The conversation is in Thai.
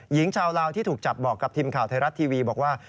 หญิงชาวลาวที่ถูกจับบอกกับทีมข่าวไทยรัฐทีวีบอกว่า